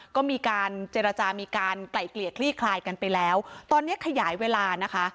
ก็มีการเจรจามีการไกล่เกลี่ยคลี่คลายกันไปแล้วตอนนี้ขยายเวลานะคะ